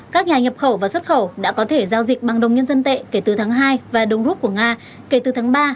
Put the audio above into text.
các nhà nhập khẩu và xuất khẩu đã có thể giao dịch bằng đồng nhân dân tệ kể từ tháng hai và đồng rút của nga kể từ tháng ba